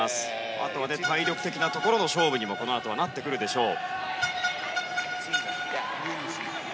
あとは体力的なところの勝負にもこのあとはなってくるでしょう。